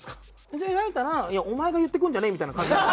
仲裁に入ったら「お前が言ってくるんじゃねえ」みたいな感じに。